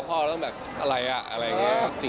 พ่อต้องอะไร